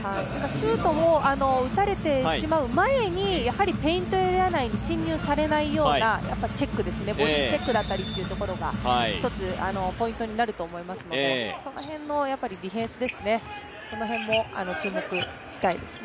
シュートを打たれてしまう前にペイントエリア内に進入されないようなボディーチェックだったりというところが一つポイントになると思いますのでその辺のディフェンスですね、この辺も注目したいですね。